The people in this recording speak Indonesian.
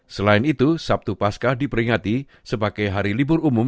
selain itu sabtu paskah diperingati sebagai hari libur umum